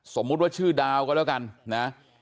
สมมุติว่าชื่อดาวก็แล้วกันนะ